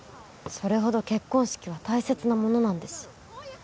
それほど結婚式は大切なものなんです